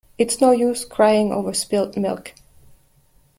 It is no use crying over spilt milk.